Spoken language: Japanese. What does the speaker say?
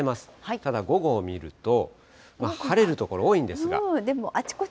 ただ、午後を見ると、晴れる所多いんですが。